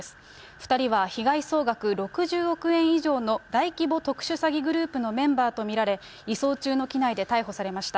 ２人は被害総額６０億円以上の大規模特殊詐欺グループのメンバーと見られ、移送中の機内で逮捕されました。